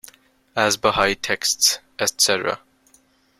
As Bahá’í texts etc.